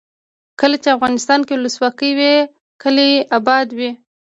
کله چې افغانستان کې ولسواکي وي کلي اباد وي.